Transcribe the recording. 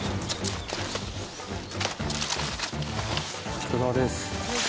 お疲れさまです。